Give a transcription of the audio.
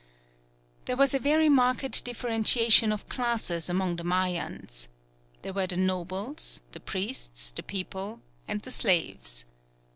There was a very marked differentiation of classes among the Mayans. There were the nobles, the priests, the people, and the slaves.